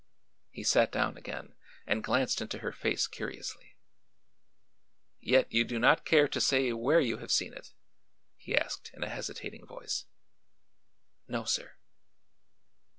He sat down again and glanced into her face curiously. "Yet you do not care to say where you have seen it?" he asked in a hesitating voice. "No, sir."